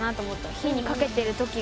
火にかけてるときが。